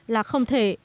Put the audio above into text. là không thể